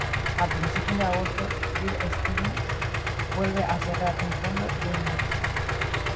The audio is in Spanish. A principios de agosto Bear Stearns vuelve a cerrar un fondo de inversiones.